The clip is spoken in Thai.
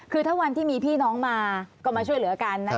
คือถ้าวันที่มีพี่น้องมาก็มาช่วยเหลือกันนะคะ